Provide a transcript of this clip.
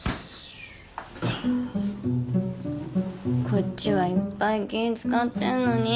・こっちはいっぱい気ぃ使ってんのに！